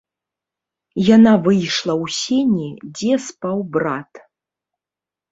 Яна выйшла ў сені, дзе спаў брат.